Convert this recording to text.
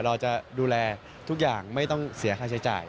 เราจะดูแลทุกอย่างไม่ต้องเสียค่าใช้จ่าย